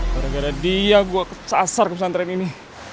karena dia gue kesasar ke pesantren ini